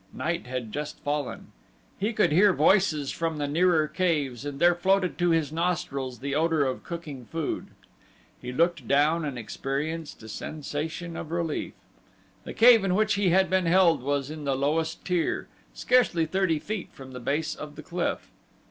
Night had just fallen. He could hear voices from the nearer caves and there floated to his nostrils the odor of cooking food. He looked down and experienced a sensation of relief. The cave in which he had been held was in the lowest tier scarce thirty feet from the base of the cliff.